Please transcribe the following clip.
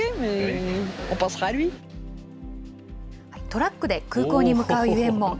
トラックで空港に向かうユエンモン。